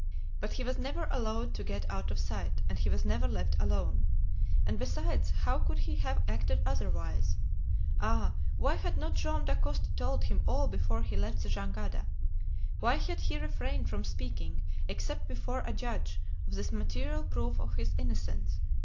But he was never allowed to get out of sight; he was never left alone. And besides, how could he have acted otherwise? Ah! why had not Joam Dacosta told him all before he left the jangada? Why had he refrained from speaking, except before a judge, of this material proof of his innocence?